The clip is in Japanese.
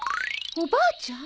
おばあちゃん？